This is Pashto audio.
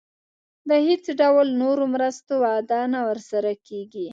د هیڅ ډول نورو مرستو وعده نه ورسره کېږي.